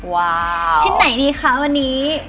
ว้าวชิ้นไหนดีคะวันนี้